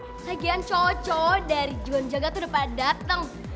sebagian cowok cowok dari jualan jaga tuh udah pada dateng